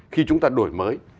khi chúng ta đổi mới